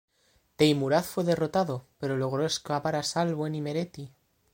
Teimuraz fue derrotado, pero logró escapar a salvo en Imereti.